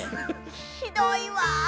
ひどいわ。